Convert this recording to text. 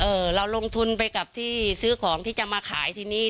เราลงทุนไปกับที่ซื้อของที่จะมาขายที่นี่